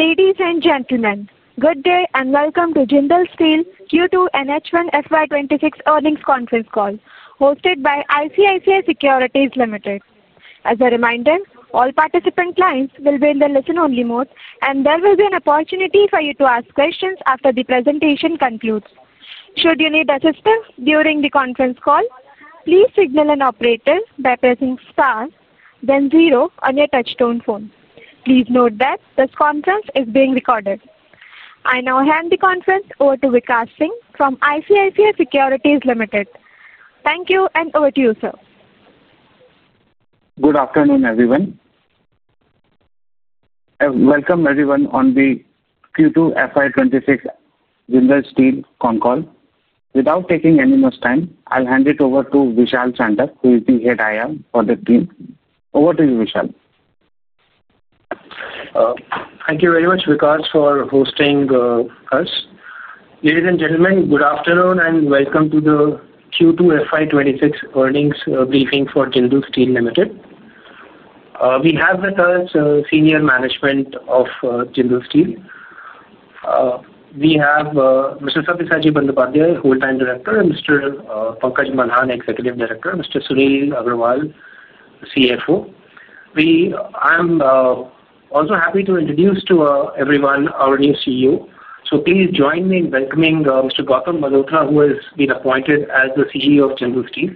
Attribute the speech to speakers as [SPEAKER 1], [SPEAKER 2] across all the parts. [SPEAKER 1] Ladies and gentlemen, good day and welcome to Jindal Steel's Q2 NH1 FY 2026 earnings conference call hosted by ICICI Securities Limited. As a reminder, all participant clients will be in the listen-only mode, and there will be an opportunity for you to ask questions after the presentation concludes. Should you need assistance during the conference call, please signal an operator by pressing star, then zero on your touch-tone phone. Please note that this conference is being recorded. I now hand the conference over to Vikas Singh from ICICI Securities Limited. Thank you and over to you, sir.
[SPEAKER 2] Good afternoon, everyone. Welcome everyone on the Q2 FY 2026 Jindal Steel con call. Without taking any more time, I'll hand it over to Vishal Chandra, who is the Head IR for the team. Over to you, Vishal.
[SPEAKER 3] Thank you very much, Vikas, for hosting us. Ladies and gentlemen, good afternoon and welcome to the Q2 FY 2026 earnings briefing for Jindal Steel Limited. We have with us the senior management of Jindal Steel. We have Mr. Satyajit Bandyopadhyay, the Whole-Time Director, and Mr. Pankaj Malhan, Executive Director, and Mr. Suresh Agarwal, the CFO. I'm also happy to introduce to everyone our new CEO. Please join me in welcoming Mr. Gautam Malhotra, who has been appointed as the CEO of Jindal Steel.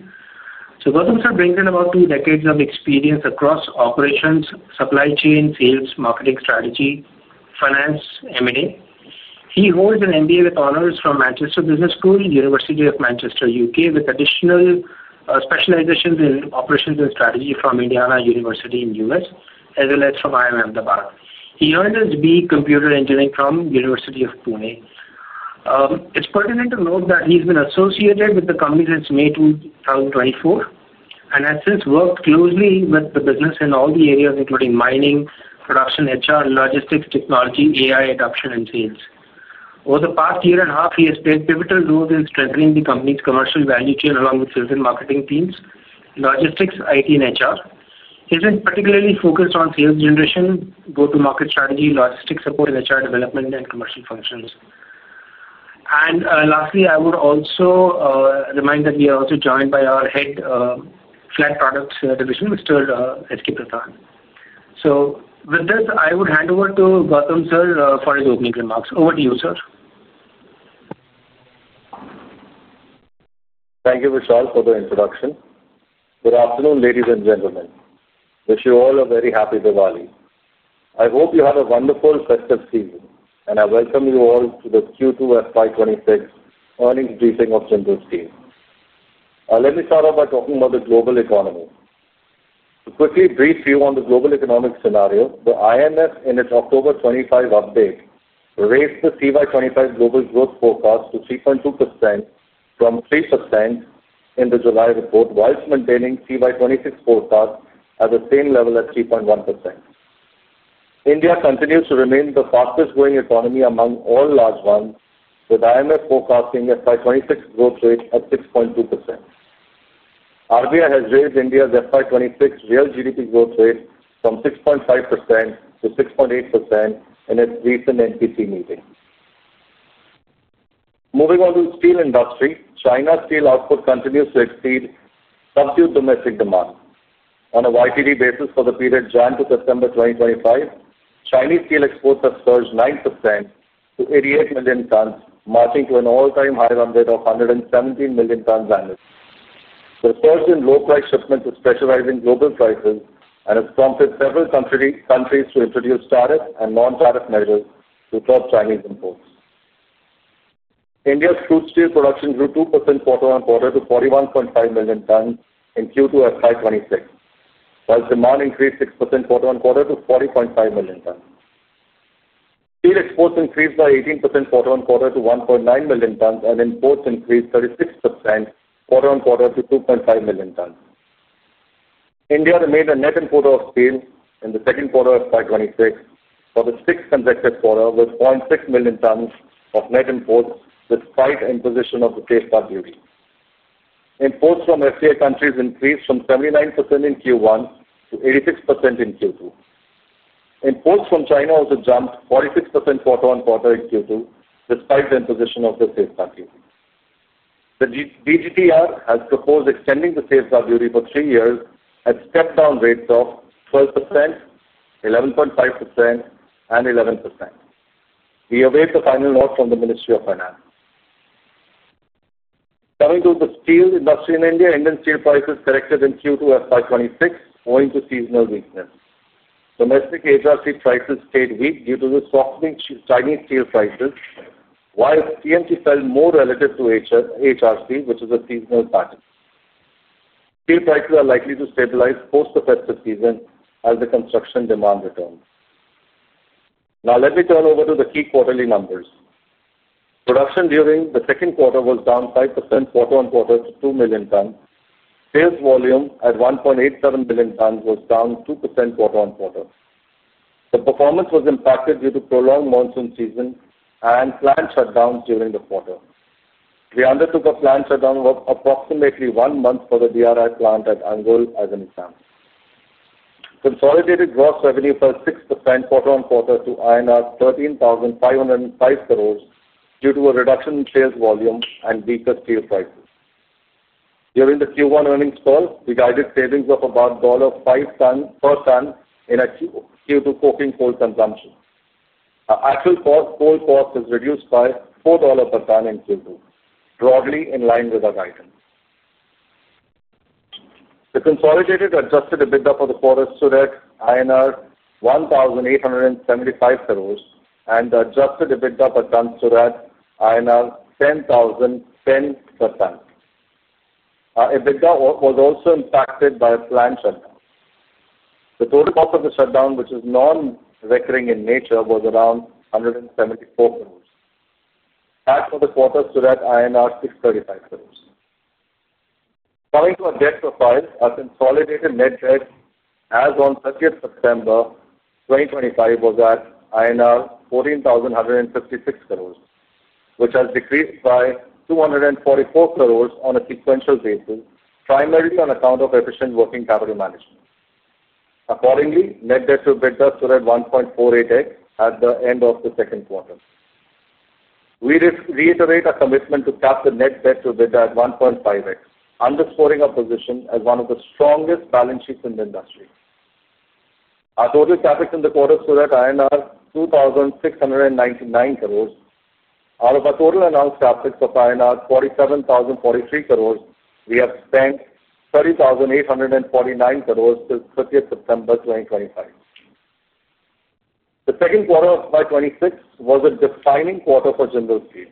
[SPEAKER 3] Gautam sir brings in about two decades of experience across operations, supply chain, sales, marketing strategy, finance, M&A. He holds an MBA with honors from Manchester Business School, University of Manchester, U.K., with additional specializations in operations and strategy from Indiana University in the U.S., as well as from IIM Sambalpur. He earned his B. Computer Engineering from the University of Pune. It's pertinent to note that he's been associated with the company since May 2024 and has since worked closely with the business in all the areas, including mining, production, HR, logistics, technology, AI adoption, and sales. Over the past year and a half, he has played a pivotal role in strengthening the company's commercial value chain along with sales and marketing teams, logistics, IT, and HR. He has been particularly focused on sales generation, go-to-market strategy, logistics support, and HR development and commercial functions. Lastly, I would also remind that we are also joined by our Head of Flat Products division, Mr. Sushil. With this, I would hand over to Gautam sir for his opening remarks. Over to you, sir.
[SPEAKER 4] Thank you, Vishal, for the introduction. Good afternoon, ladies and gentlemen. Wish you all a very happy Diwali. I hope you have a wonderful festive season, and I welcome you all to the Q2 FY 2026 earnings briefing of Jindal Steel. Let me start off by talking about the global economy. To quickly brief you on the global economic scenario, the IMF, in its October 25 update, raised the CY 2025 global growth forecast to 3.2% from 3% in the July report, whilst maintaining the CY 2026 forecast at the same level as 3.1%. India continues to remain the fastest growing economy among all large ones, with IMF forecasting the FY 2026 growth rate at 6.2%. RBI has raised India's FY 2026 real GDP growth rate from 6.5% to 6.8% in its recent MPC meeting. Moving on to the steel industry, China's steel output continues to exceed subdued domestic demand. On a YTD basis for the period January to September 2025, Chinese steel exports have surged 9% to 88 million tons, matching to an all-time high number of 117 million tons annually. The surge in low-price shipments is pressurizing global prices and has prompted several countries to introduce tariff and non-tariff measures to curb Chinese imports. India's crude steel production grew 2% quarter on quarter to 41.5 million tons in Q2 FY 2026, whilst demand increased 6% quarter on quarter to 40.5 million tons. Steel exports increased by 18% quarter-on-quarter to 1.9 million tons, and imports increased 36% quarter-on-quarter to 2.5 million tons. India remained a net importer of steel in the second quarter of FY 2026 for the sixth consecutive quarter, with 0.6 million tons of net imports despite imposition of the safeguard duty. Imports from FTA countries increased from 79% in Q1 to 86% in Q2. Imports from China also jumped 46% quarter-on-quarter in Q2, despite the imposition of the safeguard duty. The DGTR has proposed extending the safeguard duty for three years at step-down rates of 12%, 11.5%, and 11%. We await the final note from the Ministry of Finance. Coming to the steel industry in India, Indian steel prices corrected in Q2 FY 2026, owing to seasonal weakness. Domestic HRC prices stayed weak due to the softening Chinese steel prices, whilst TMT fell more relative to HRC, which is a seasonal pattern. Steel prices are likely to stabilize post the festive season as the construction demand returns. Now, let me turn over to the key quarterly numbers. Production during the second quarter was down 5% quarter-on-quarter to 2 million tons. Sales volume at 1.87 million tons was down 2% quarter-on-quarter. The performance was impacted due to prolonged monsoon season and plant shutdowns during the quarter. We undertook a plant shutdown of approximately one month for the DRI plant at Angul as an example. Consolidated gross revenue fell 6% quarter-on-quarter to INR 13,505 crore due to a reduction in sales volume and weaker steel prices. During the Q1 earnings call, we guided savings of about $1.05 per ton in Q2 coking coal consumption. Our actual coal cost has reduced by $4 per ton in Q2, broadly in line with our guidance. The consolidated adjusted EBITDA for the quarter stood at INR 1,875 crore, and the adjusted EBITDA per ton stood at INR 10,010 per ton. EBITDA was also impacted by a plant shutdown. The total cost of the shutdown, which is non-recurring in nature, was around 174 crore. That's for the quarter stood at INR 635 crore. Coming to our debt profile, our consolidated net debt as on 30th September 2025 was at INR 14,156 crore, which has decreased by 244 crore on a sequential basis, primarily on account of efficient working capital management. Accordingly, net debt to EBITDA stood at 1.48x at the end of the second quarter. We reiterate our commitment to cap the net debt to EBITDA at 1.5x, underscoring our position as one of the strongest balance sheets in the industry. Our total CapEx in the quarter stood at INR 2,699 crore. Out of our total announced CapEx of INR 47,043 crore, we have spent 30,849 crore since 30th September 2025. The second quarter of FY 2026 was a defining quarter for Jindal Steel.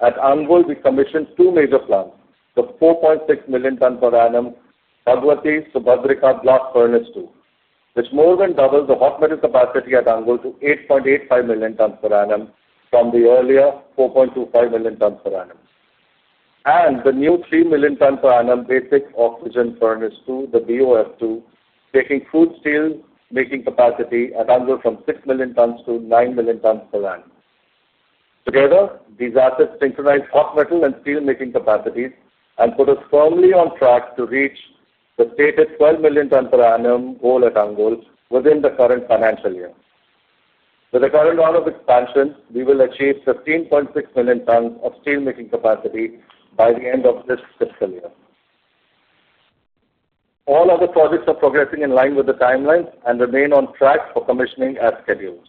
[SPEAKER 4] At Angul, we commissioned two major plants, the 4.6 million ton per annum Blast Furnace 2, which more than doubled the hot metal capacity at Angul to 8.85 million tons per annum from the earlier 4.25 million tons per annum, and the new 3 million ton per annum Basic Oxygen Furnace 2, the BOF2, taking crude steel making capacity at Angul from 6 million tons to 9 million tons per annum. Together, these assets synchronize hot metal and steel making capacities and put us firmly on track to reach the stated 12 million ton per annum goal at Angul within the current financial year. With the current run of expansion, we will achieve 15.6 million tons of steel making capacity by the end of this fiscal year. All other projects are progressing in line with the timelines and remain on track for commissioning as scheduled.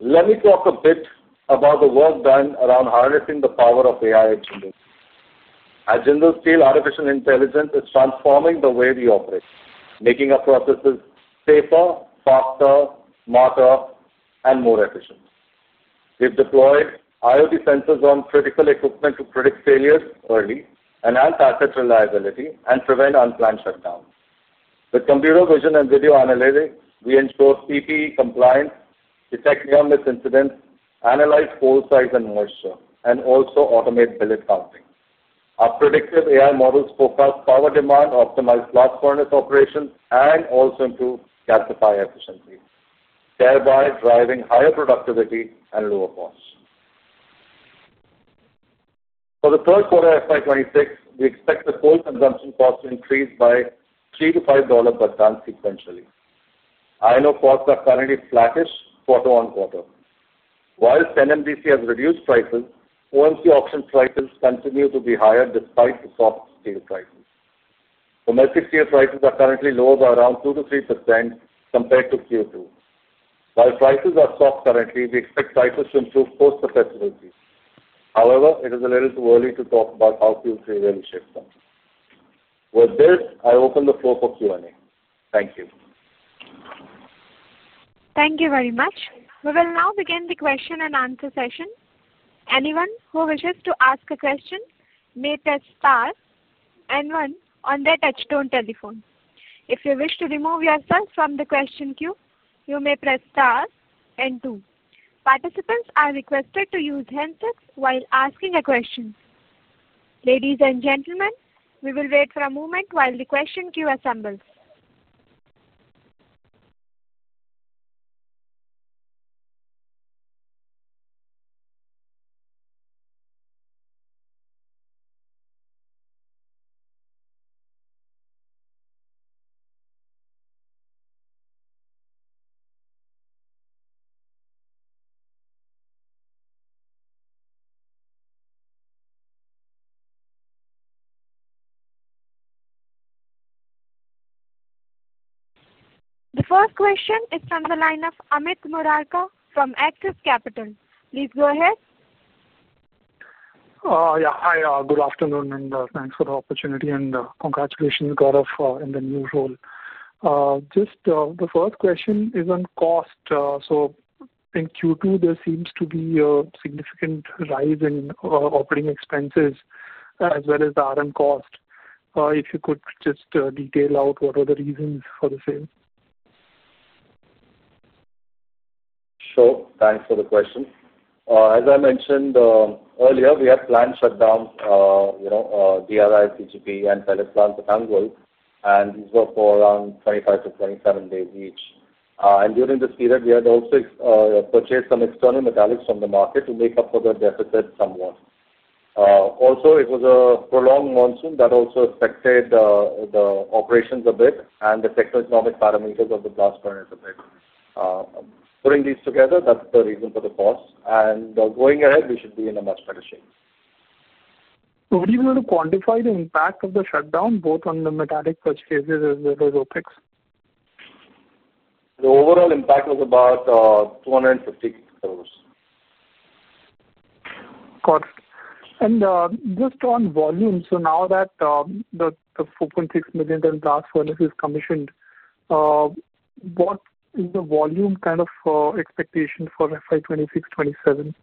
[SPEAKER 4] Let me talk a bit about the work done around harnessing the power of AI at Jindal. At Jindal Steel, artificial intelligence is transforming the way we operate, making our processes safer, faster, smarter, and more efficient. We've deployed IoT sensors on critical equipment to predict failures early and enhance asset reliability and prevent unplanned shutdowns. With computer vision and video analytics, we ensure CPE compliance, detect near-miss incidents, analyze coal size and moisture, and also automate billet counting. Our predictive AI models forecast power demand, optimize Blast Furnace operations, and also improve gasifier efficiency, thereby driving higher productivity and lower costs. For the third quarter FY 2026, we expect the coal consumption cost to increase by $3-$5 per ton sequentially. I&O costs are currently flattish quarter-on-quarter. Whilst NMDC has reduced prices, OMC auction prices continue to be higher despite the soft steel prices. Domestic steel prices are currently lower by around 2%-3% compared to Q2. While prices are soft currently, we expect prices to improve post-the-festive season. However, it is a little too early to talk about how Q3 will shape them. With this, I open the floor for Q&A. Thank you.
[SPEAKER 1] Thank you very much. We will now begin the question and answer session. Anyone who wishes to ask a question may press star and one on their touch-tone telephone. If you wish to remove yourself from the question queue, you may press star and two. Participants are requested to use handsets while asking a question. Ladies and gentlemen, we will wait for a moment while the question queue assembles. The first question is from the line of Amit Murarka from Axis Capital. Please go ahead.
[SPEAKER 5] Oh, yeah. Hi. Good afternoon and thanks for the opportunity and congratulations, Gautam, in the new role. Just the first question is on cost. In Q2, there seems to be a significant rise in operating expenses as well as the RM cost. If you could just detail out what are the reasons for the same?
[SPEAKER 4] Sure. Thanks for the question. As I mentioned earlier, we had planned plant shutdowns, DRI, CGP, and pellet plants at Angul, and these were for around 25-27 days each. During this period, we had also purchased some external metallics from the market to make up for the deficit somewhat. Also, it was a prolonged monsoon that also affected the operations a bit and the sector economic parameters of the blast furnace a bit. Putting these together, that's the reason for the cost. Going ahead, we should be in a much better shape.
[SPEAKER 5] Would you be able to quantify the impact of the shutdown both on the metallic such cases as well as OpEx?
[SPEAKER 4] The overall impact was about 250 crore.
[SPEAKER 5] Got it. Just on volume, now that the 4.6 million ton blast furnace is commissioned, what is the volume kind of expectation for FY 2026/2027?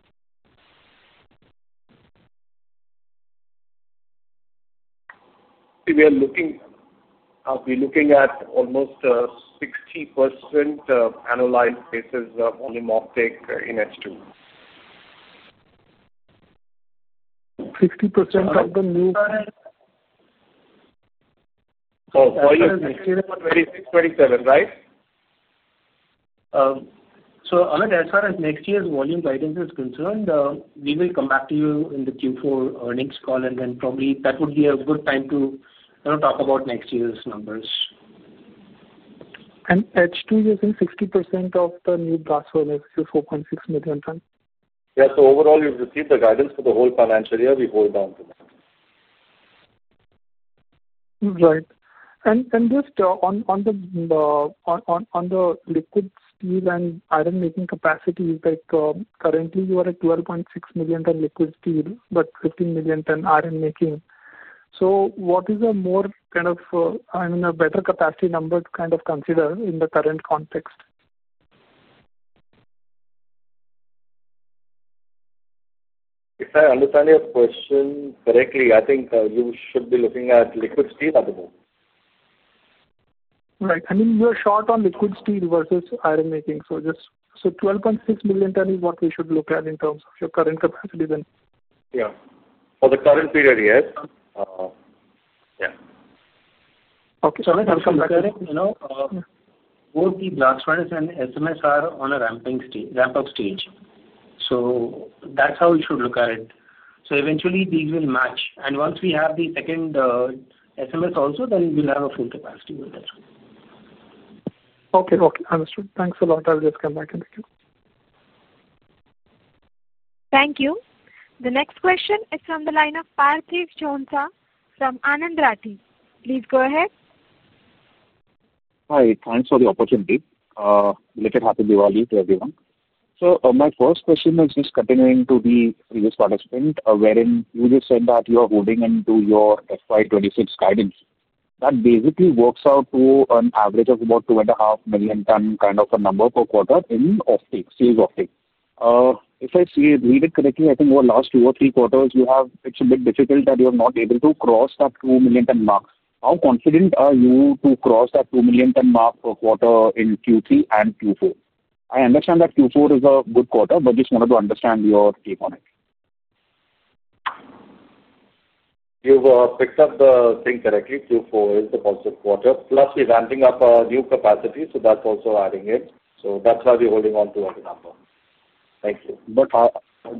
[SPEAKER 4] We are looking at almost 60% analyzed cases of volume uptake in H2.
[SPEAKER 5] 60% of the new?
[SPEAKER 4] Sorry.
[SPEAKER 5] Oh, sorry.
[SPEAKER 4] Yes, yes.
[SPEAKER 5] For FY 2026/2027, right?
[SPEAKER 6] Amit, as far as next year's volume guidance is concerned, we will come back to you in the Q4 earnings call, and then probably that would be a good time to talk about next year's numbers.
[SPEAKER 5] In H2, you're saying 60% of the new blast furnace is 4.6 million tons?
[SPEAKER 4] Yeah, overall, you've received the guidance for the whole financial year. We hold on to that.
[SPEAKER 5] Right. Just on the liquid steel and iron making capacity, currently you are at 12.6 million ton liquid steel, but 15 million ton iron making. What is a more kind of, I mean, a better capacity number to kind of consider in the current context?
[SPEAKER 4] If I understand your question correctly, I think you should be looking at liquid steel at the moment.
[SPEAKER 5] Right. I mean, you are short on liquid steel versus iron making. Just so, 12.6 million tons is what we should look at in terms of your current capacity then.
[SPEAKER 4] Yeah, for the current period, yes.
[SPEAKER 5] Okay.
[SPEAKER 6] Amit, I'll come back to you. Both the blast furnace and SMS are on a ramp-up stage. That's how we should look at it. Eventually, these will match, and once we have the second SMS also, then we'll have a full capacity with that.
[SPEAKER 5] Okay. Okay. Understood. Thanks a lot. I'll just come back and pick you up.
[SPEAKER 1] Thank you. The next question is from the line of Parthesh Jhonsa from Anand Rathi. Please go ahead.
[SPEAKER 7] Hi. Thanks for the opportunity. Happy Diwali to everyone. My first question is just continuing to the previous participant, wherein you just said that you are holding on to your FY 2026 guidance. That basically works out to an average of about 2.5 million ton kind of a number per quarter in steel optics. If I read it correctly, I think over the last two or three quarters, it's a bit difficult that you have not been able to cross that 2 million ton mark. How confident are you to cross that 2 million ton mark per quarter in Q3 and Q4? I understand that Q4 is a good quarter, but just wanted to understand your take on it.
[SPEAKER 4] You've picked up the thing correctly. Q4 is the positive quarter. Plus, we're ramping up a new capacity, so that's also adding it. That's why we're holding on to that number. Thank you.
[SPEAKER 7] I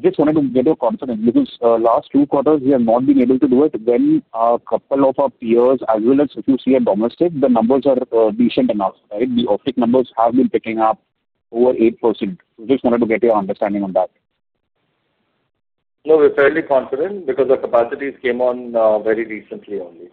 [SPEAKER 7] just wanted to get your confidence because the last two quarters, we have not been able to do it when a couple of our peers, as well as if you see a domestic, the numbers are decent enough, right? The optic numbers have been picking up over 8%. I just wanted to get your understanding on that.
[SPEAKER 4] No, we're fairly confident because the capacities came on very recently only.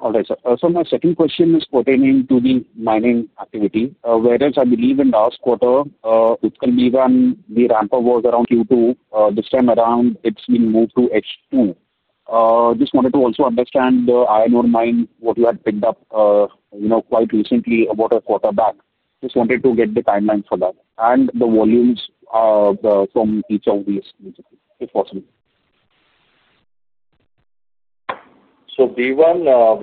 [SPEAKER 7] All right, sir. My second question is pertaining to the mining activity, whereas I believe in the last quarter, the ramp-up was around Q2. This time around, it's been moved to H2. I just wanted to also understand the iron ore mine, what you had picked up quite recently about a quarter back. I just wanted to get the timeline for that and the volumes from each of these basically, if possible.
[SPEAKER 4] We are now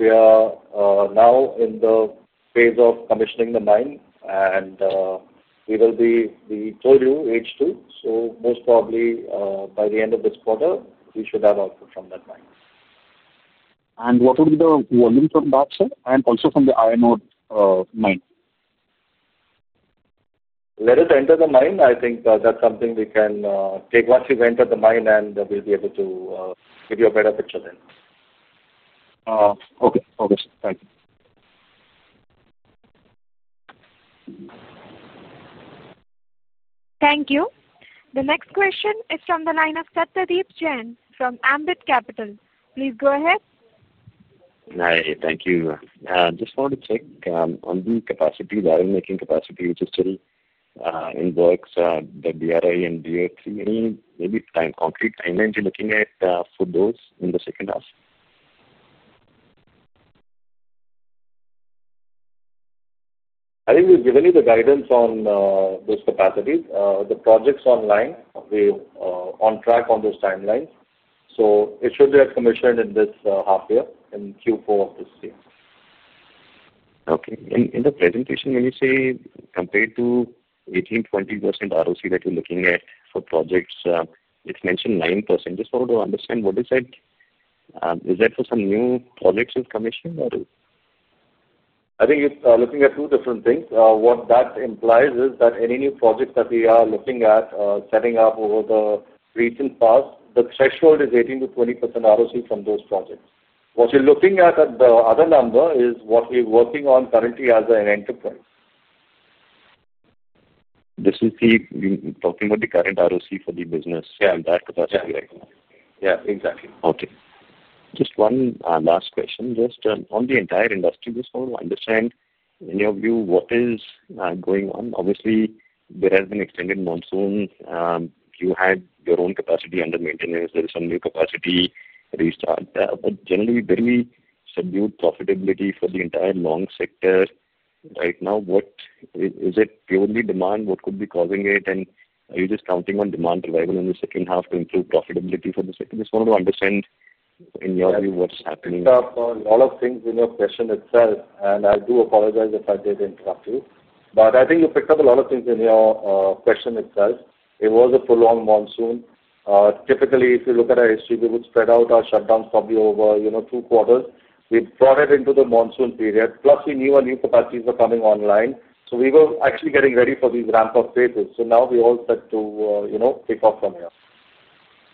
[SPEAKER 4] in the phase of commissioning the mine, and we told you, H2. Most probably, by the end of this quarter, we should have output from that mine.
[SPEAKER 7] What would be the volume from that, sir, and also from the iron ore mine?
[SPEAKER 4] Let us enter the mine. I think that's something we can take once you've entered the mine, and we'll be able to give you a better picture then.
[SPEAKER 7] Okay. Okay, sir. Thank you.
[SPEAKER 1] Thank you. The next question is from the line of Satyadeep Jain from Ambit Capital. Please go ahead.
[SPEAKER 8] Hi. Thank you. I just wanted to check on the iron making capacity, which is still in works, the DRI and DO3. Any maybe concrete timelines you're looking at for those in the second half?
[SPEAKER 4] I think we've given you the guidance on those capacities. The projects are online, we're on track on those timelines. It should be commissioned in this half year in Q4 of this year.
[SPEAKER 8] Okay. In the presentation, when you say compared to 18%, 20% ROC that you're looking at for projects, it's mentioned 9%. Just wanted to understand what is that. Is that for some new projects you've commissioned, or?
[SPEAKER 4] I think you're looking at two different things. What that implies is that any new projects that we are looking at setting up over the recent past, the threshold is 18%-20% ROC from those projects. What you're looking at at the other number is what we're working on currently as an enterprise.
[SPEAKER 8] This is talking about the current ROC for the business and that capacity, right?
[SPEAKER 4] Yeah, exactly.
[SPEAKER 8] Okay. Just one last question. Just on the entire industry, just wanted to understand, in your view, what is going on? Obviously, there has been extended monsoon. You had your own capacity under maintenance. There is some new capacity restart. Generally, very subdued profitability for the entire long sector right now. Is it purely demand? What could be causing it? Are you just counting on demand revival in the second half to improve profitability for the sector? Just wanted to understand, in your view, what's happening.
[SPEAKER 4] You picked up a lot of things in your question itself. I do apologize if I did interrupt you. I think you picked up a lot of things in your question itself. It was a prolonged monsoon. Typically, if you look at our history, we would spread out our shutdowns probably over, you know, two quarters. We brought it into the monsoon period. Plus, we knew our new capacities were coming online. We were actually getting ready for these ramp-up phases. Now we're all set to, you know, pick off from here.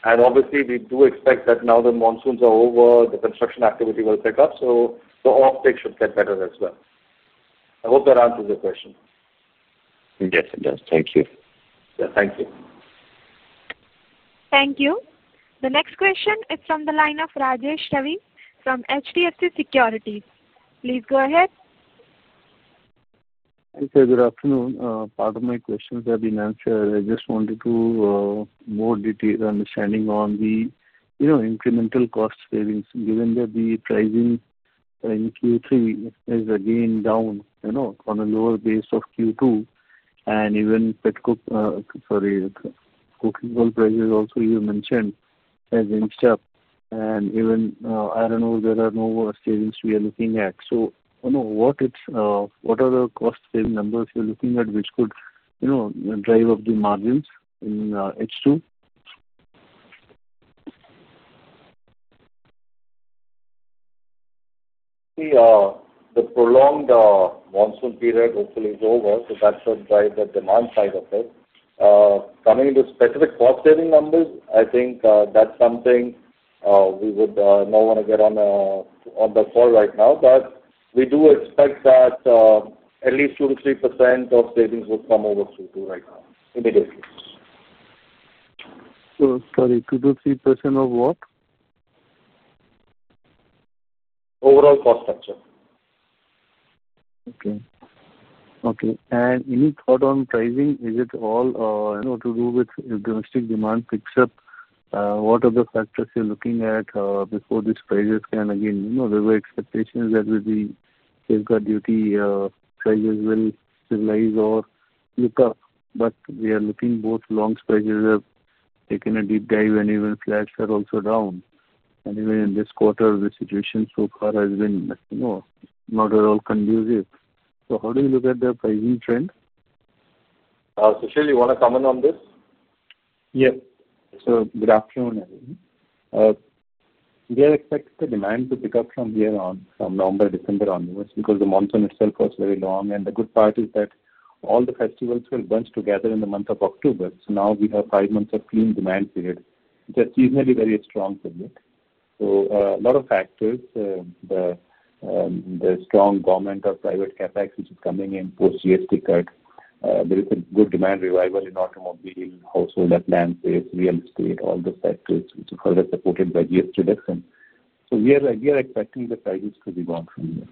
[SPEAKER 4] Obviously, we do expect that now the monsoons are over, the construction activity will pick up. The offtake should get better as well. I hope that answers your question.
[SPEAKER 8] Yes, it does. Thank you.
[SPEAKER 4] Yeah, thank you.
[SPEAKER 1] Thank you. The next question is from the line of Rajesh Ravi from HDFC Securities. Please go ahead.
[SPEAKER 9] I'd say good afternoon. Part of my questions have been answered. I just wanted a more detailed understanding on the incremental cost savings given that the pricing in Q3 is again down on a lower base of Q2. Even coking coal prices also you mentioned has inched up. Even iron ore, there are no savings we are looking at. I don't know what are the cost saving numbers you're looking at which could drive up the margins in H2?
[SPEAKER 4] The prolonged monsoon period hopefully is over. That should drive the demand side of it. Coming to specific cost saving numbers, I think that's something we would not want to get on the call right now. We do expect that at least 2%-3% of savings would come over Q2 right now, immediately.
[SPEAKER 9] Sorry, 2%-3% of what?
[SPEAKER 4] Overall cost structure.
[SPEAKER 9] Okay. And any thought on pricing? Is it all, you know, to do with if domestic demand picks up? What are the factors you're looking at before these prices can, again, you know, there were expectations that with the safeguard duty, prices will stabilize or look up. We are looking both long prices have taken a deep dive and even flats are also down. Even in this quarter, the situation so far has been, you know, not at all conducive. How do you look at the pricing trend?
[SPEAKER 4] Sushil, you want to comment on this?
[SPEAKER 10] Good afternoon, everyone. We are expecting the demand to pick up from here on, from now by December onwards because the monsoon itself was very long. The good part is that all the festivals will bunch together in the month of October. Now we have five months of clean demand period, which is seasonally very strong for me. A lot of factors, the strong government or private CapEx, which is coming in post-GST cut, there is a good demand revival in automobile, household appliances, real estate, all the sectors, which are further supported by GST deficit. We are expecting the prices to be gone from here.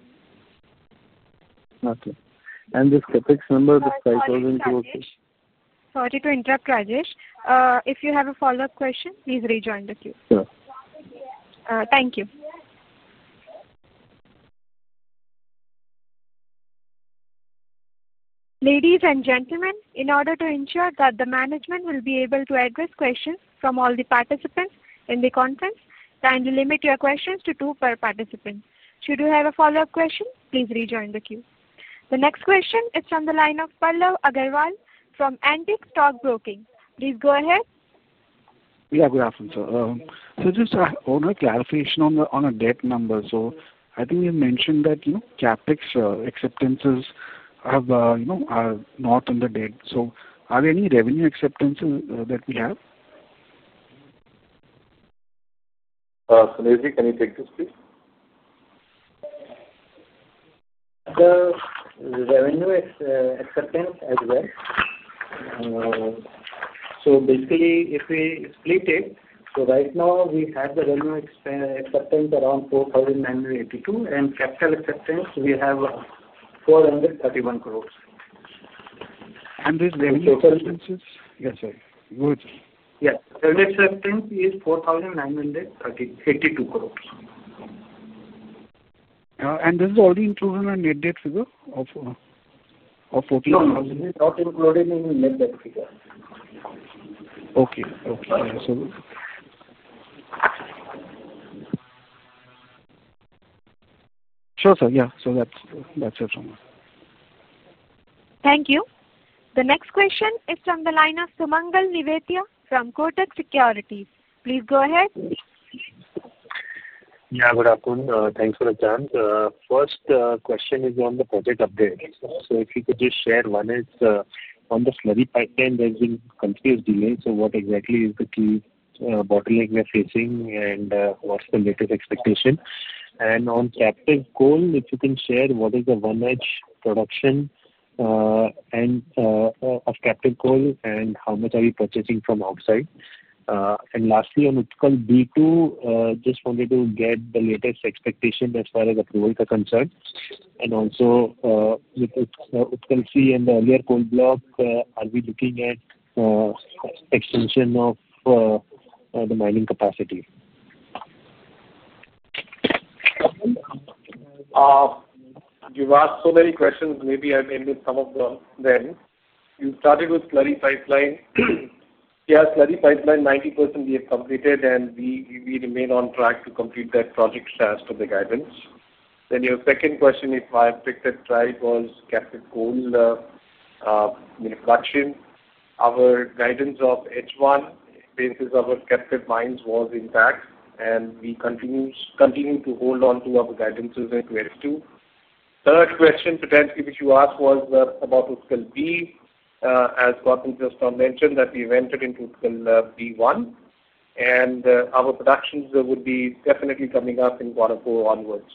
[SPEAKER 9] Okay. This CapEx number, the INR 5,000 crore?
[SPEAKER 1] Sorry to interrupt, Rajesh. If you have a follow-up question, please rejoin the queue.
[SPEAKER 9] Sure.
[SPEAKER 1] Thank you. Ladies and gentlemen, in order to ensure that the management will be able to address questions from all the participants in the conference, kindly limit your questions to two per participant. Should you have a follow-up question, please rejoin the queue. The next question is from the line of Pallav Agarwal from Antique Stock Broking. Please go ahead.
[SPEAKER 11] Good afternoon, sir. Just on a clarification on the debt number, I think you mentioned that, you know, CapEx acceptances are, you know, not in the debt. Are there any revenue acceptances that we have?
[SPEAKER 4] Satyajit, can you take this, please?
[SPEAKER 6] The revenue acceptance as well. Basically, if we split it, right now we have the revenue acceptance around 4,982 crore, and capital acceptance we have 431 crore.
[SPEAKER 11] These revenue acceptances?
[SPEAKER 6] Total.
[SPEAKER 11] Yes, sir. Go ahead.
[SPEAKER 6] Yes, revenue acceptance is INR 4,982 crore.
[SPEAKER 11] Is this all included in the net debt figure of INR 14,000?
[SPEAKER 6] No, this is not included in the net debt figure.
[SPEAKER 11] Okay. Sure, sir. Yeah, that's it from us.
[SPEAKER 1] Thank you. The next question is from the line of Sumangal Nevatia from Kotak Securities. Please go ahead.
[SPEAKER 12] Good afternoon. Thanks for the chance. First question is on the project update. If you could just share, one is on the slurry pipeline, there's been continuous delays. What exactly is the key bottleneck we're facing and what's the latest expectation? On captive coal, if you can share what is the one-hedge production of captive coal and how much are we purchasing from outside? Lastly, on Utkal B2, just wanted to get the latest expectation as far as approvals are concerned. Also, Utkal C and the earlier coal block, are we looking at extension of the mining capacity?
[SPEAKER 6] You've asked so many questions, maybe I've answered some of them. You started with slurry pipeline. Yeah, slurry pipeline, 90% we have completed, and we remain on track to complete that project as per the guidance. Your second question, if I have picked it right, was captive coal manufacturing. Our guidance of H1 basis of our captive mines was intact, and we continue to hold on to our guidances into H2. Third question, potentially, which you asked was about Utkal B. As Gautam just mentioned, we went into Utkal B1, and our productions would be definitely coming up in quarter four onwards.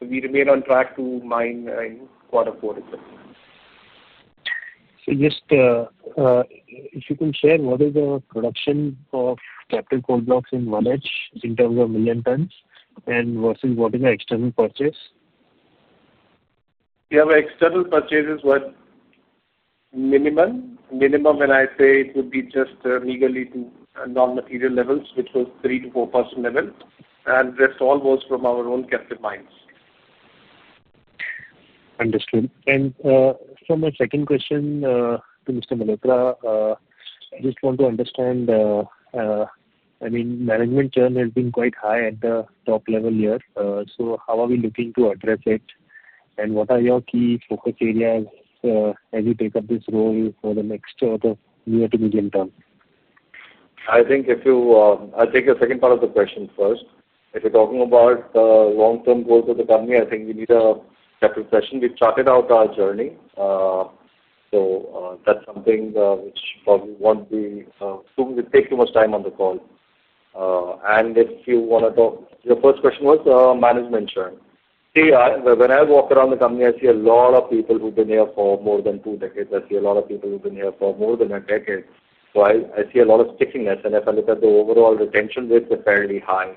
[SPEAKER 6] We remain on track to mine in quarter four, etc.
[SPEAKER 12] If you can share what is the production of captive coal blocks in one edge in terms of million tons versus what is the external purchase?
[SPEAKER 4] Yeah, the external purchase is what? Minimum. Minimum, and I say it would be just legally to non-material levels, which was 3%-4% level. The rest all was from our own captive mines.
[SPEAKER 12] Understood. My second question to Mr. Malhotra, I just want to understand, management churn has been quite high at the top level here. How are we looking to address it and what are your key focus areas as you take up this role for the next sort of year to medium term?
[SPEAKER 4] I think I'll take your second part of the question first. If you're talking about the long-term goals of the company, I think we need a separate session. We've charted out our journey. That's something which probably won't be soon, we take too much time on the call. If you want to talk, your first question was management churn. When I walk around the company, I see a lot of people who've been here for more than two decades. I see a lot of people who've been here for more than a decade. I see a lot of stickiness. If I look at the overall retention rates, they're fairly high.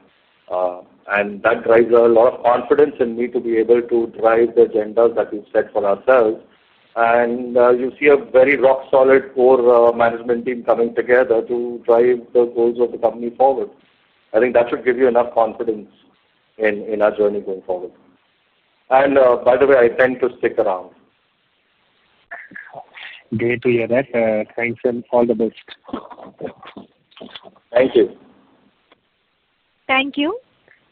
[SPEAKER 4] That drives a lot of confidence in me to be able to drive the agendas that we've set for ourselves. You see a very rock-solid core management team coming together to drive the goals of the company forward. I think that should give you enough confidence in our journey going forward. By the way, I tend to stick around.
[SPEAKER 12] Great. We are at thanks and all the best.
[SPEAKER 4] Thank you.
[SPEAKER 1] Thank you.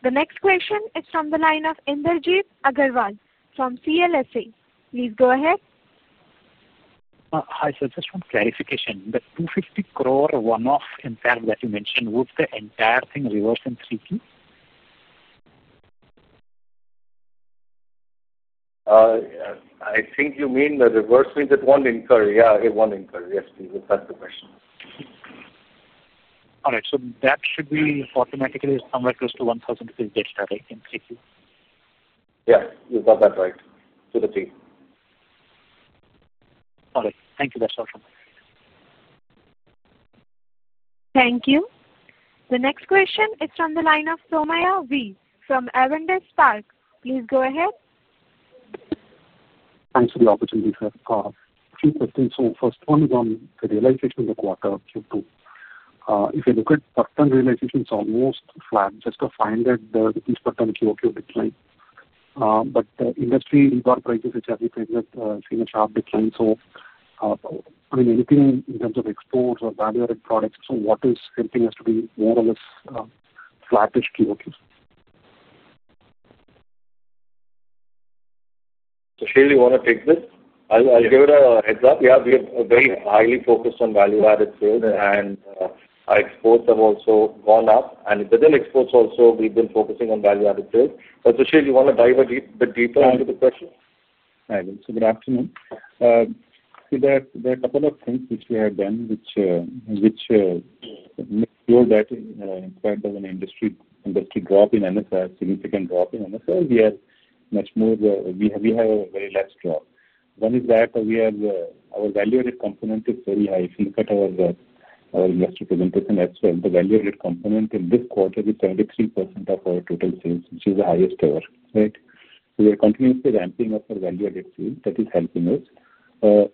[SPEAKER 1] The next question is from the line of Inderjeet Agarwal from CLSA. Please go ahead.
[SPEAKER 13] Hi, sir. Just one clarification. The 250 crore one-off in form that you mentioned, would the entire thing reverse in three Qs?
[SPEAKER 4] I think you mean the reverse means it won't incur. Yeah, it won't incur. Yes, please, that's the question.
[SPEAKER 13] All right. That should be automatically somewhere close to 1,000 crore rupees debt status in three Qs?
[SPEAKER 4] Yeah, you got that right to the T.
[SPEAKER 13] All right. Thank you. That's all from me.
[SPEAKER 1] Thank you. The next question is from the line of Somaya V. from Avendus Park. Please go ahead.
[SPEAKER 14] Thanks for the opportunity, sir. A few questions. The first one is on the realization of the quarter Q2. If you look at product and realization, it's almost flat. Just to find that the product and QoQ decline, the industry rebar prices, which have been pretty much seen a sharp decline. I mean, anything in terms of exports or value-added products, what is everything has to be more or less flat-ish QoQ?
[SPEAKER 4] Sushil, you want to take this? I'll give it a heads up. Yeah, we have very highly focused on value-added sales, and our exports have also gone up. Within exports also, we've been focusing on value-added sales. Sushil, you want to dive a bit deeper into the question?
[SPEAKER 10] Good afternoon. There are a couple of things which we have done which make sure that in spite of an industry drop in MSR, significant drop in MSR, we have much more, we have a very large drop. One is that our value-added component is very high. If you look at our last representation as well, the value-added component in this quarter is 73% of our total sales, which is the highest ever, right? We are continuously ramping up our value-added sales. That is helping us.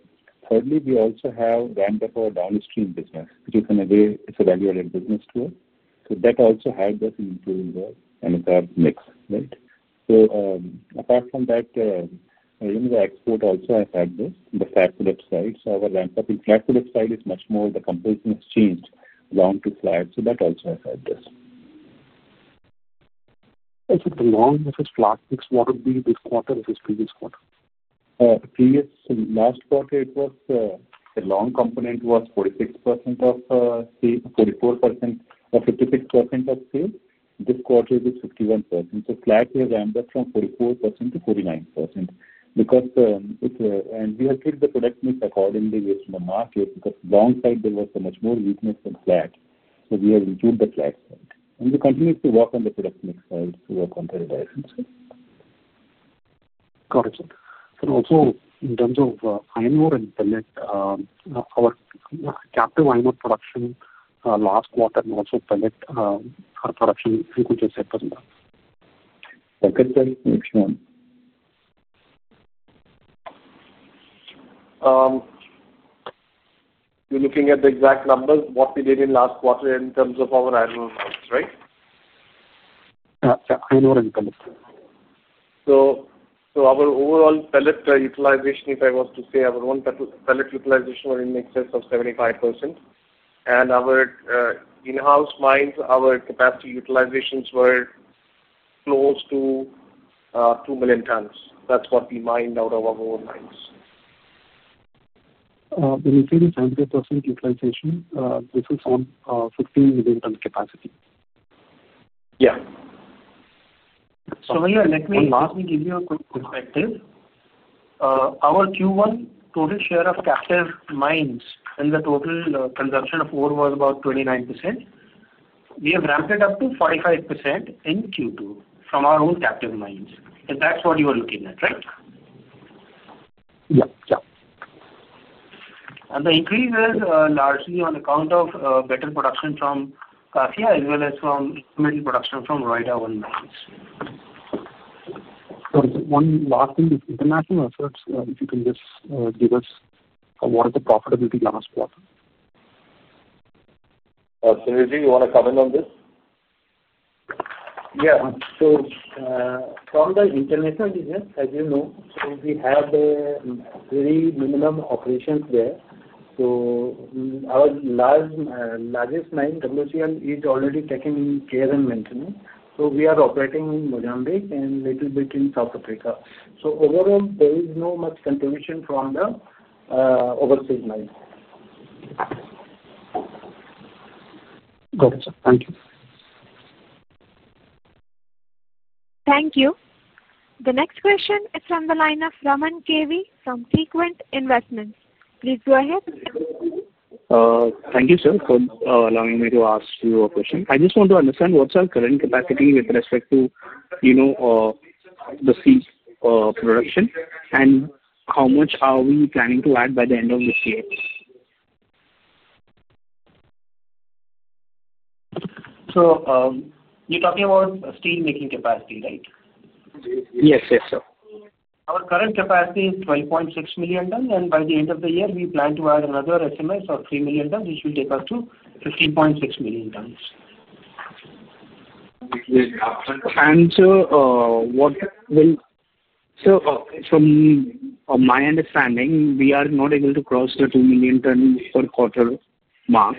[SPEAKER 10] Thirdly, we also have ramped up our downstream business, which is another, it's a value-added business to us. That also helps us in improving our MSR mix, right? Apart from that, even the export also has helped us, the flat product side. Our ramp-up in flat product side is much more, the comparison has changed down to flat. That also has helped us.
[SPEAKER 14] If it's a long, if it's flat mix, what would be this quarter versus previous quarter?
[SPEAKER 10] Previous last quarter, the long component was 46% of, 44% or 56% of sales. This quarter, it is 51%. Flat, we have ramped up from 44%-49% because it's a, and we have treated the product mix accordingly based on the market because long side, there was so much more weakness than flat. We have improved the flat side. We continue to work on the product mix side to work on the revision side.
[SPEAKER 14] Got it, sir. Also, in terms of iron ore and pellet, our captive iron ore production last quarter and also pellet, our production increased just 10%. Second question.
[SPEAKER 4] You're looking at the exact numbers, what we did in last quarter in terms of our iron ore mines, right?
[SPEAKER 14] Yeah, iron ore and pellet.
[SPEAKER 4] Our overall pellet utilization, if I was to say, our one pellet utilization was in excess of 75%. Our in-house mines, our capacity utilizations were close to 2 million tons. That's what we mined out of our mines.
[SPEAKER 14] We maintained a 70% utilization. This is on 15 million ton capacity.
[SPEAKER 4] Yeah.
[SPEAKER 10] Let me give you a quick perspective. Our Q1 total share of captive mines and the total consumption of ore was about 29%. We have ramped it up to 45% in Q2 from our own captive mines. That's what you are looking at, right?
[SPEAKER 14] Yeah. Yeah.
[SPEAKER 10] The increase is largely on account of better production from Kasia as well as from incremental production from Roida-1 Mines.
[SPEAKER 14] One last thing is international efforts. If you can just give us what is the profitability last quarter?
[SPEAKER 4] Sushil, you want to comment on this?
[SPEAKER 10] Yeah. From the international business, as you know, we have very minimum operations there. Our largest mine, WCM, is already taken care and maintenance. We are operating in Mozambique and a little bit in South Africa. Overall, there is not much contribution from the overseas mine.
[SPEAKER 14] Got it, sir. Thank you.
[SPEAKER 1] Thank you. The next question is from the line of Raman KV from Sequent Investments. Please go ahead.
[SPEAKER 15] Thank you, sir, for allowing me to ask you a question. I just want to understand what's our current capacity with respect to the steel production and how much are we planning to add by the end of this year?
[SPEAKER 10] You're talking about steel making capacity, right?
[SPEAKER 15] Yes, yes, sir.
[SPEAKER 10] Our current capacity is 12.6 million tons. By the end of the year, we plan to add another SMS of 3 million tons, which will take us to 15.6 million tons.
[SPEAKER 15] From my understanding, we are not able to cross the 2 million ton per quarter mark.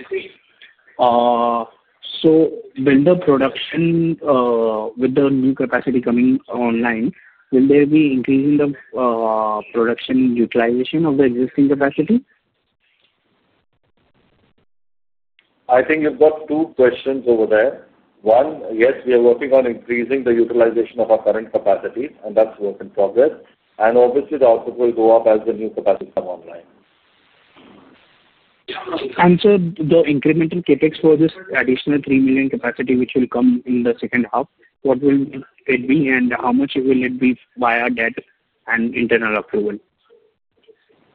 [SPEAKER 15] Will the production, with the new capacity coming online, increase the production utilization of the existing capacity?
[SPEAKER 4] I think you've got two questions over there. One, yes, we are working on increasing the utilization of our current capacity, and that's a work in progress. Obviously, the output will go up as the new capacity come online.
[SPEAKER 15] The incremental capital expenditure for this additional 3 million capacity, which will come in the second half, what will it be and how much will it be via debt and internal approval?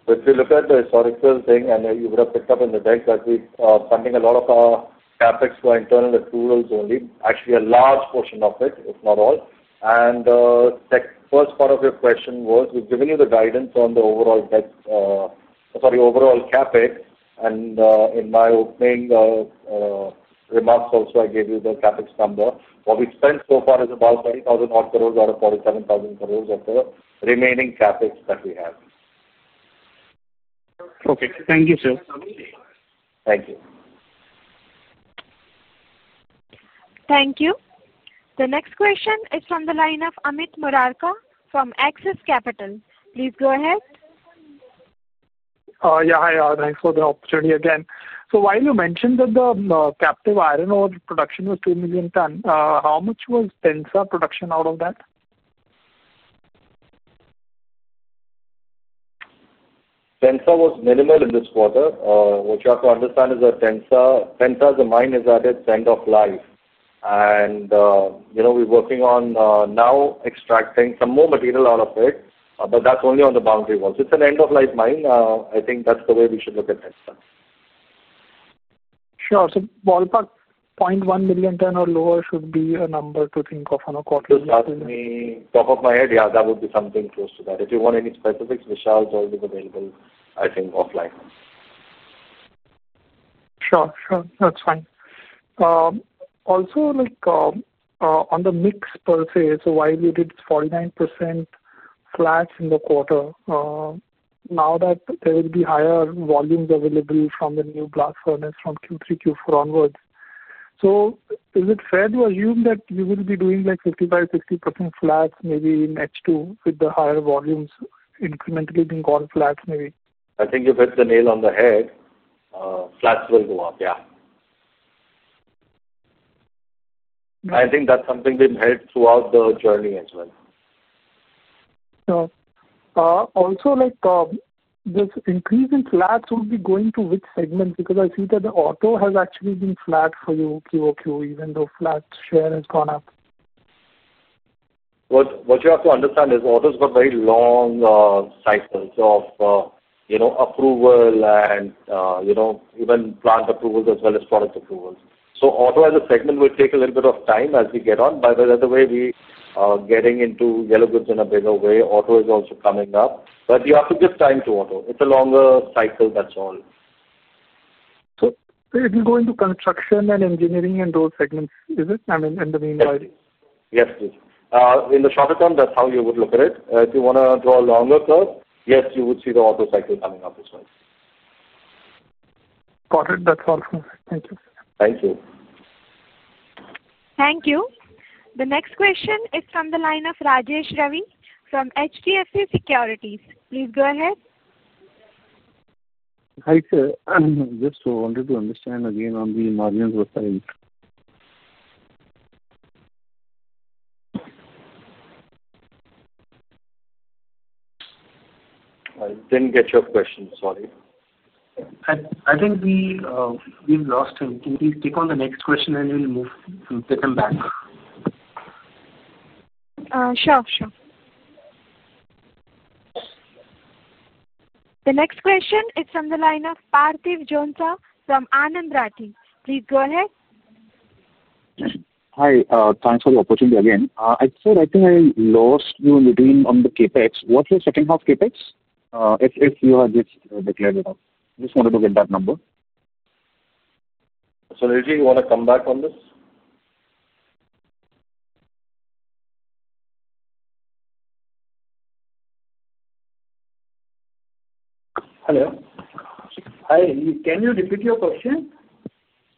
[SPEAKER 4] If you look at the historical thing, you would have picked up in the debt that we are funding a lot of our capital expenditure for internal approvals only, actually a large portion of it, if not all. The first part of your question was we've given you the guidance on the overall debt, sorry, overall capital expenditure. In my opening remarks also, I gave you the capital expenditure number. What we spent so far is about 30,000 crore out of 47,000 crore of the remaining capital expenditure that we have.
[SPEAKER 7] Okay. Thank you, sir.
[SPEAKER 4] Thank you.
[SPEAKER 1] Thank you. The next question is from the line of Amit Murarka from Axis Capital. Please go ahead.
[SPEAKER 5] Hi. Thanks for the opportunity again. While you mentioned that the captive iron ore production was 2 million tons, how much was Tensa production out of that?
[SPEAKER 4] Tensa was minimal in this quarter. What you have to understand is that Tensa, the mine, is at its end of life. We're working on now extracting some more material out of it, but that's only on the boundary walls. It's an end-of-life mine. I think that's the way we should look at Tensa.
[SPEAKER 5] Sure. Ballpark 0.1 million ton or lower should be a number to think of on a quarterly basis.
[SPEAKER 4] Just off the top of my head, yeah, that would be something close to that. If you want any specifics, Vishal is always available, I think, offline.
[SPEAKER 5] Sure, that's fine. Also, on the mix per se, while we did 49% flat in the quarter, now that there will be higher volumes available from the new Blast Furnace from Q3, Q4 onwards, is it fair to assume that you will be doing 55%, 60% flats, maybe in H2 with the higher volumes incrementally being called flats, maybe?
[SPEAKER 4] I think you've hit the nail on the head. Flats will go up, yeah. I think that's something we've heard throughout the journey as well.
[SPEAKER 5] Sure. Also, this increase in flats would be going to which segments? Because I see that the auto has actually been flat for you QoQ, even though flat share has gone up.
[SPEAKER 4] What you have to understand is autos have very long cycles of approval and even plant approvals as well as product approvals. Auto as a segment will take a little bit of time as we get on. By the way, we are getting into yellow goods in a bigger way. Auto is also coming up. You have to give time to auto. It's a longer cycle, that's all.
[SPEAKER 5] It will go into construction and engineering and those segments, is it? I mean, in the meanwhile.
[SPEAKER 4] Yes, please. In the shorter term, that's how you would look at it. If you want to draw a longer curve, yes, you would see the auto cycle coming up as well.
[SPEAKER 5] Got it. That's all for me. Thank you, sir.
[SPEAKER 4] Thank you.
[SPEAKER 1] Thank you. The next question is from the line of Rajesh Ravi from HDFC Securities. Please go ahead.
[SPEAKER 9] Hi, sir. I just wanted to understand again on the margins of the site.
[SPEAKER 4] I didn't get your question. Sorry. I think we've lost him. Can we take on the next question and we'll move and take him back?
[SPEAKER 1] Sure. The next question is from the line of Parthesh Jonsa from Anand Rathi. Please go ahead.
[SPEAKER 7] Hi. Thanks for the opportunity again. Sir, I think I lost you in between on the CapEx. What's your second half CapEx if you have just declared it out? Just wanted to get that number.
[SPEAKER 4] Suresh, you want to come back on this? Hello?
[SPEAKER 6] Hi, can you repeat your question?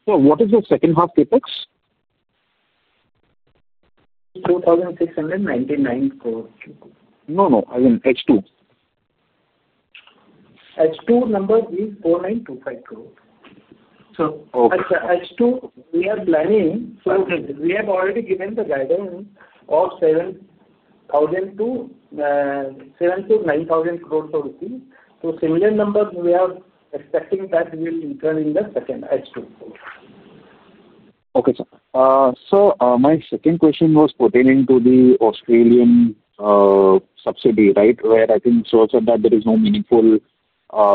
[SPEAKER 7] Sir, what is your second half CapEx?
[SPEAKER 10] INR 4,699 crores.
[SPEAKER 7] No, no. I mean H2.
[SPEAKER 10] H2 number is 4,925 crore.
[SPEAKER 7] Sir, okay.
[SPEAKER 10] H2, we are planning. We have already given the guidance of 7,000-9,000 crores rupees. Similar numbers we are expecting that we return in the second H2.
[SPEAKER 7] Okay, sir. My second question was pertaining to the Australian subsidiary, right, where I think sources that there is no meaningful,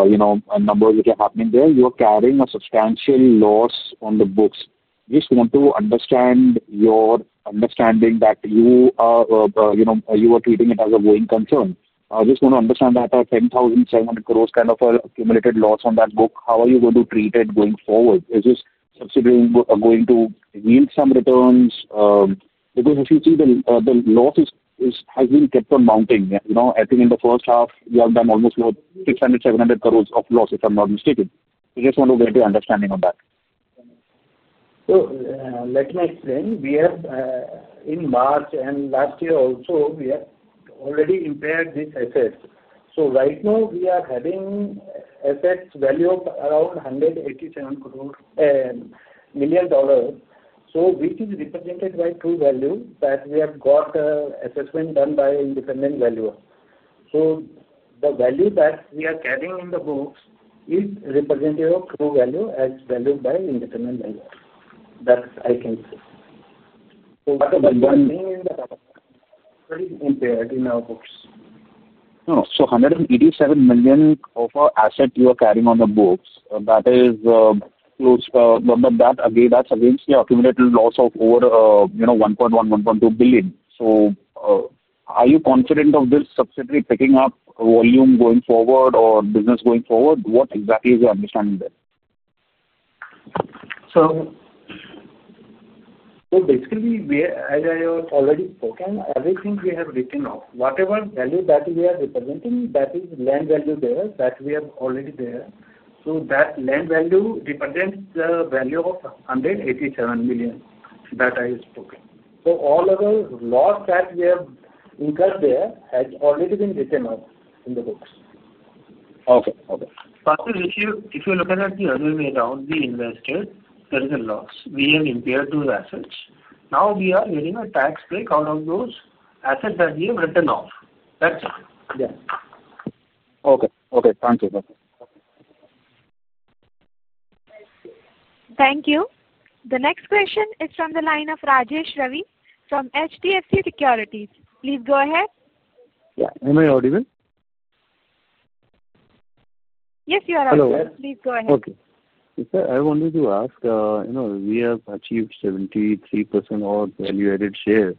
[SPEAKER 7] you know, numbers which are happening there. You're carrying a substantial loss on the books. Just want to understand your understanding that you are, you know, you are treating it as a going concern. I just want to understand that at 10.7 billion kind of an accumulated loss on that book, how are you going to treat it going forward? Is this subsidiary going to yield some returns? Because if you see the loss has been kept on mounting. I think in the first half, you have done almost 600, 700 crore of loss, if I'm not mistaken. Just want to get your understanding on that.
[SPEAKER 4] Let me explain. We have in March and last year also, we have already impaired this asset. Right now, we are having assets value of around $187 million, which is represented by true value that we have got assessment done by independent valuer. The value that we are carrying in the books is representative of true value as valued by independent valuer. I think we are staying in the pretty impaired in our books.
[SPEAKER 7] Oh, so $187 million of our assets you are carrying on the books. That is close to, but that's against the accumulated loss of over 1.1 billion, 1.2 billion. Are you confident of this subsidiary picking up volume going forward or business going forward? What exactly is your understanding there?
[SPEAKER 4] As I have already spoken, everything we have written up, whatever value that we are representing, that is land value there that we have already there. That land value represents the value of $187 million that I spoke. All other loss that we have incurred there has already been written off in the books.
[SPEAKER 7] Okay. Okay.
[SPEAKER 4] If you look at it the other way around, the investors, there is a loss. We have impaired those assets. Now we are getting a tax break out of those assets that we have written off. That's it. Yeah.
[SPEAKER 7] Okay. Thank you, sir.
[SPEAKER 1] Thank you. The next question is from the line of Rajesh Ravi from HDFC Securities. Please go ahead.
[SPEAKER 9] Yeah. Hi, I'm I audible?
[SPEAKER 1] Yes, you are audience.
[SPEAKER 9] Hello.
[SPEAKER 1] Please go ahead.
[SPEAKER 9] Okay. Sir, I wanted to ask, you know, we have achieved 73% of value-added share,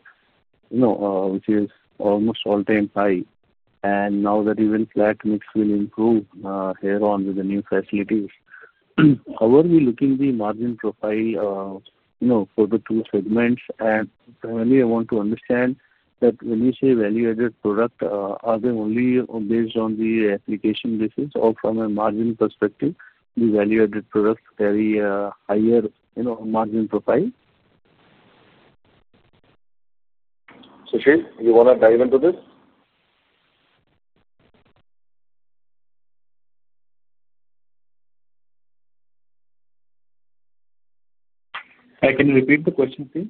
[SPEAKER 9] you know, which is almost all-time high. Now that even flat mix will improve here on with the new facilities, how are we looking at the margin profile, you know, for the two segments? Finally, I want to understand that when you say value-added product, are they only based on the application basis or from a margin perspective, the value-added products carry a higher, you know, margin profile?
[SPEAKER 4] Sushil, you want to dive into this?
[SPEAKER 10] Can you repeat the question, please?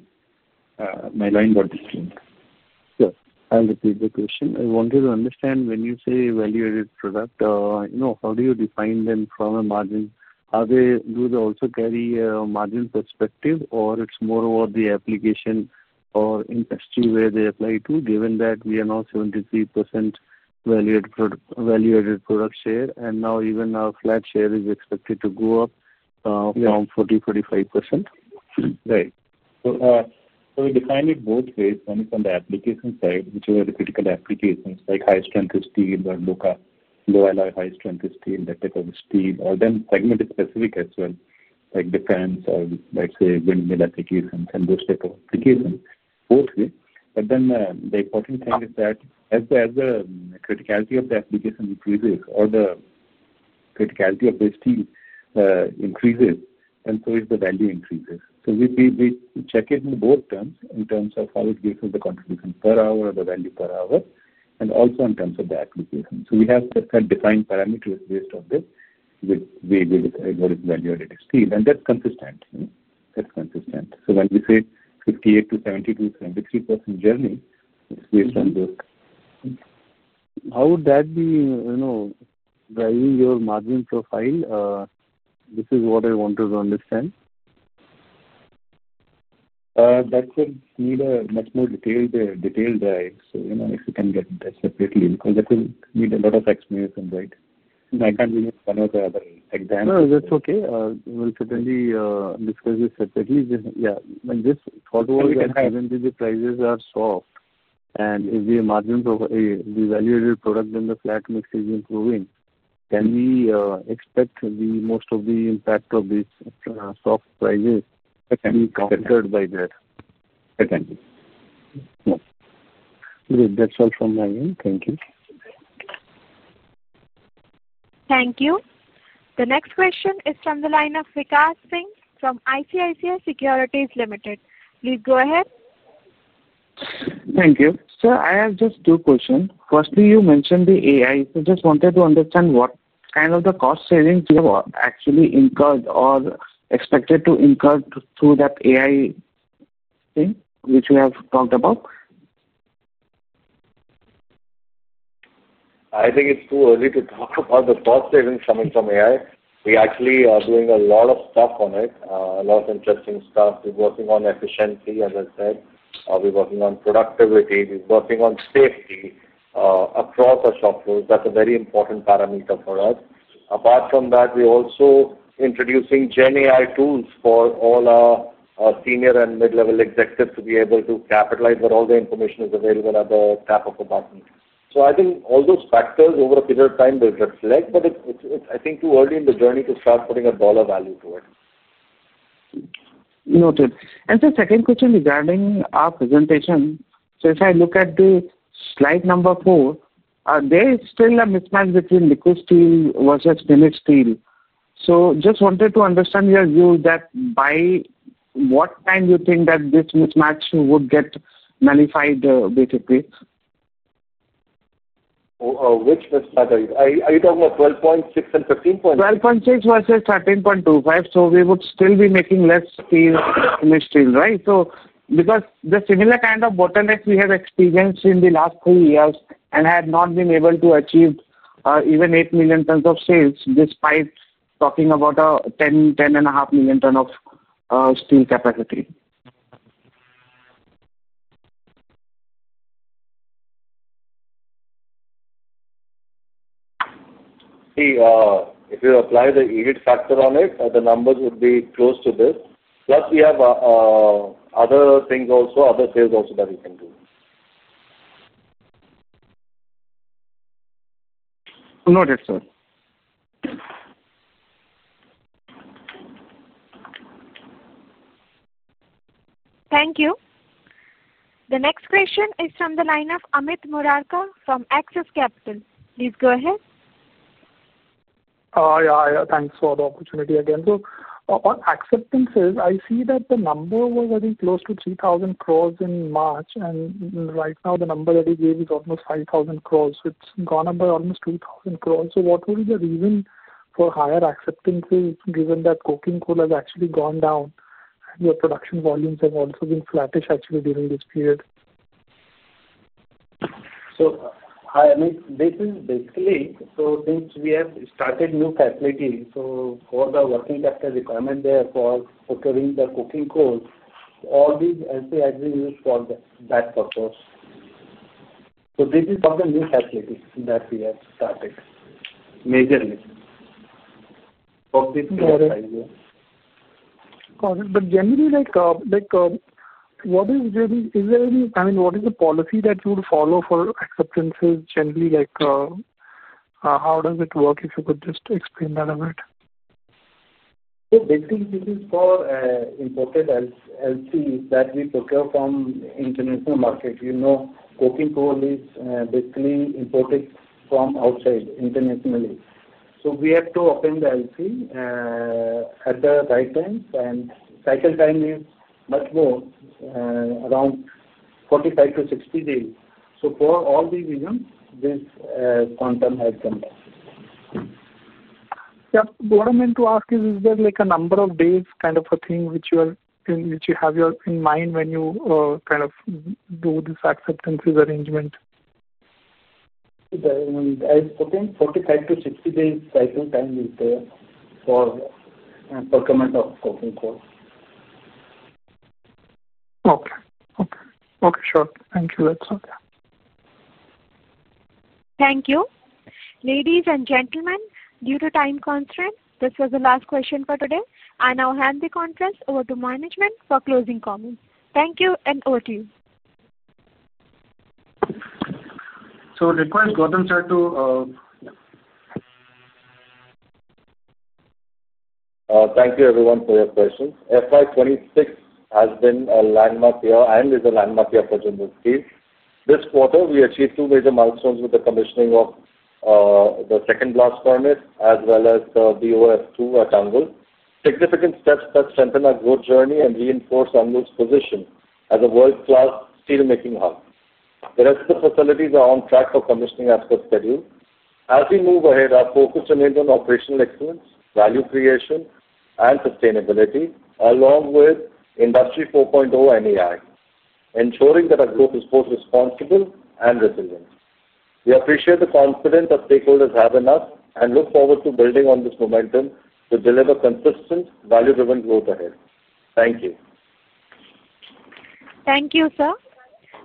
[SPEAKER 10] My line got disconnected.
[SPEAKER 9] Sure. I'll repeat the question. I wanted to understand when you say value-added product, you know, how do you define them from a margin? Do they also carry a margin perspective, or is it more about the application or industry where they apply to, given that we are now at 73% value-added product share and now even our flat share is expected to go up from 40%-45%?
[SPEAKER 10] Right. We define it both ways. One is on the application side, which are very critical applications like high-strength steel, low alloy, high-strength steel, that type of steel, or then segment-specific as well, like defense or, let's say, windmill applications and those types of applications, both ways. The important thing is that as the criticality of the application increases or the criticality of the steel increases, so does the value increase. We check it in both terms in terms of how it gives us the contribution per hour or the value per hour and also in terms of the application. We have set defined parameters based on this, which we decide what is value-added steel. That's consistent. When we say 58%-72%, 73% journey, it's based on those.
[SPEAKER 9] How would that be driving your margin profile? This is what I wanted to understand.
[SPEAKER 4] That would need a much more detailed drive. If you can get that separately, because that will need a lot of explanation, right? I can't give you one or the other example.
[SPEAKER 9] No, that's okay. We'll certainly discuss this separately. Yeah, just thought of, when the prices are soft and if the margins of the value-added product in the flat mix is improving, can we expect most of the impact of these soft prices to be compensated by that?
[SPEAKER 4] Okay.
[SPEAKER 9] Great. That's all from my end. Thank you.
[SPEAKER 1] Thank you. The next question is from the line of Vikas Singh from ICICI Securities Limited. Please go ahead.
[SPEAKER 2] Thank you. Sir, I have just two questions. Firstly, you mentioned the AI. I just wanted to understand what kind of the cost savings you have actually incurred or expected to incur through that AI thing which we have talked about?
[SPEAKER 4] I think it's too early to talk about the cost savings coming from AI. We actually are doing a lot of stuff on it, a lot of interesting stuff. We're working on efficiency, as I said. We're working on productivity. We're working on safety across our shop floors. That's a very important parameter for us. Apart from that, we're also introducing GenAI tools for all our senior and mid-level executives to be able to capitalize where all the information is available at the tap of a button. I think all those factors over a period of time will reflect, but it's, I think, too early in the journey to start putting a dollar value to it.
[SPEAKER 2] Noted. The second question regarding our presentation, if I look at slide number four, there is still a mismatch between nickel steel versus pellet steel. I just wanted to understand your view, by what time do you think that this mismatch would get nullified, basically?
[SPEAKER 4] Which mismatch? Are you talking about 12.6 and 15.6?
[SPEAKER 2] 12.6 versus 13.25. We would still be making less steel in the steel, right? The similar kind of bottlenecks we have experienced in the last three years and have not been able to achieve even 8 million tons of sales despite talking about a 10 ton, 10.5 million ton of steel capacity.
[SPEAKER 4] See, if you apply the EBIT factor on it, the numbers would be close to this. Plus, we have other things also, other sales also that we can do.
[SPEAKER 2] Noted, sir.
[SPEAKER 1] Thank you. The next question is from the line of Amit Murarka from Axis Capital. Please go ahead.
[SPEAKER 5] Thank you for the opportunity again. On acceptances, I see that the number was getting close to 3,000 crore in March. Right now, the number that he gave is almost 5,000 crore. It has gone up by almost 2,000 crore. What would be the reason for higher acceptances given that coking coal has actually gone down and your production volumes have also been flattish during this period?
[SPEAKER 4] Hi, Amit. This is basically, since we have started new facilities, for the working capital requirement there for procuring the coking coal, all these STIs we use for that purpose. This is for the new facilities that we have started majorly.
[SPEAKER 5] Got it. What is the policy that you would follow for acceptances generally? How does it work if you could just explain that a bit?
[SPEAKER 4] This is for imported LCs that we procure from the international market. You know, coking coal is basically imported from outside internationally. We have to open the LC at the right time, and cycle time is much more, around 45 to 60 days. For all these reasons, this quantum has come back.
[SPEAKER 5] Yeah, what I meant to ask is, is there like a number of days kind of a thing which you have in mind when you kind of do this acceptances arrangement?
[SPEAKER 4] I'm putting 45 to 60 days cycle time is there for procurement of coking coal.
[SPEAKER 5] Okay. Sure. Thank you, that's all.
[SPEAKER 1] Thank you. Ladies and gentlemen, due to time constraints, this was the last question for today. I now hand the conference over to management for closing comments. Thank you and over to you.
[SPEAKER 6] Request Gautam sir to.
[SPEAKER 4] Thank you, everyone, for your questions. FY 2026 has been a landmark year and is a landmark year for Jindal Steel. This quarter, we achieved two major milestones with the commissioning of the second Blast Furnace as well as the BOF 2 at Angul. Significant steps that strengthen our growth journey and reinforce Angul's position as a world-class steel-making hub. The rest of the facilities are on track for commissioning as per schedule. As we move ahead, our focus remains on operational excellence, value creation, and sustainability, along with Industry 4.0 MEI, ensuring that our growth is both responsible and resilient. We appreciate the confidence that stakeholders have in us and look forward to building on this momentum to deliver consistent, value-driven growth ahead. Thank you.
[SPEAKER 1] Thank you, sir.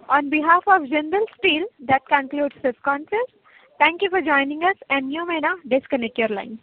[SPEAKER 1] On behalf of Jindal Steel, that concludes this conference. Thank you for joining us, and you may now disconnect your line.